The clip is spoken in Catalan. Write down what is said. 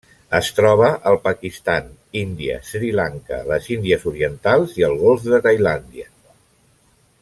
Es troba al Pakistan, Índia, Sri Lanka, les Índies Orientals i el Golf de Tailàndia.